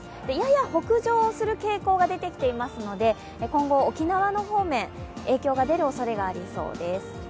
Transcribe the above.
やや北上する傾向が出てきていますので、今後、沖縄方面、影響が出るおそれがあります。